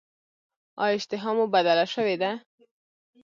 ایا اشتها مو بدله شوې ده؟